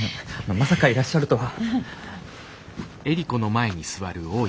まさかいらっしゃるとは。